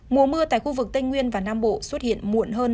mùa mưa tại khu vực tây nguyên và nam bộ xuất hiện muộn hơn